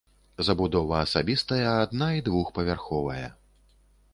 Забудова асабістая адна- і двухпавярховая.